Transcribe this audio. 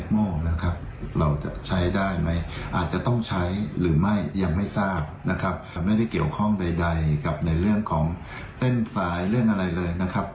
ไม่ได้เกี่ยวข้องใดกับในเรื่องของเส้นสายเรื่องอะไรเลยนะครับ